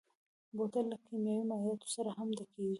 بوتل له کيمیاوي مایعاتو سره هم ډکېږي.